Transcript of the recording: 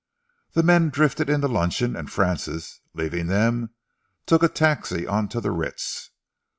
The men drifted in to luncheon and Francis, leaving them, took a taxi on to the Ritz.